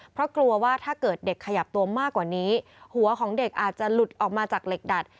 เพราะกลัวว่าถ้าเกิดเด็กขยับตัวมากกว่านี้หัวของเด็กอาจจะหลุดออกมาจากเหล็กดัด